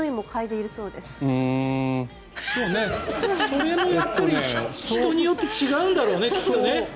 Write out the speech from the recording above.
それも人によって違うんだろうね、きっと。